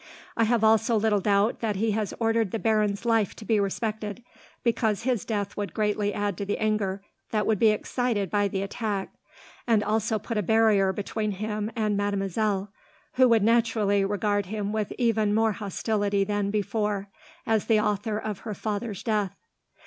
I have also little doubt that he has ordered the baron's life to be respected, because his death would greatly add to the anger that would be excited by the attack, and would also put a barrier between him and mademoiselle, who would naturally regard him with even more hostility than before, as the author of her father's death.